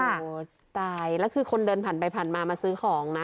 โอ้โหตายแล้วคือคนเดินผ่านไปผ่านมามาซื้อของนะ